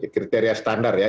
kriteria standar ya